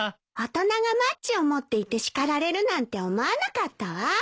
大人がマッチを持っていて叱られるなんて思わなかったわ。